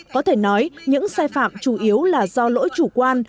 có thể nói những sai phạm chủ yếu là do lỗi chủ quan